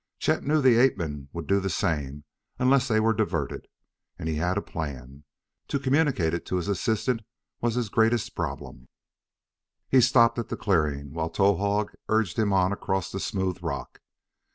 Chet knew the ape men would do the same unless they were diverted, and he had a plan. To communicate it to his assistant was his greatest problem. He stopped at the clearing, while Towahg urged him on across the smooth rock.